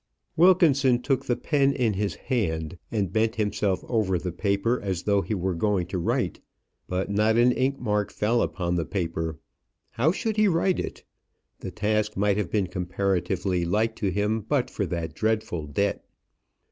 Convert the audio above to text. Wilkinson took the pen in his hand and bent himself over the paper as though he were going to write; but not an ink mark fell upon the paper. How should he write it? The task might have been comparatively light to him but for that dreadful debt.